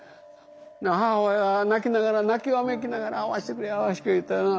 母親は泣きながら泣きわめきながら「会わせてくれ会わせてくれ」ってな。